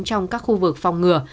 trong các khu vực phòng ngừa